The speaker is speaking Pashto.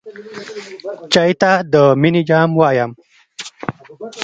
چای ته د مینې جام وایم.